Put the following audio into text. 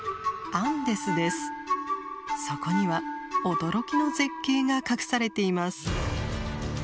そこには驚きの絶景が隠されています。